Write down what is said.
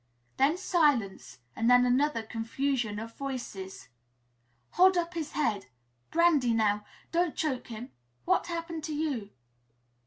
Then silence and then another confusion of voices "Hold up his head Brandy now Don't choke him What happened to you?"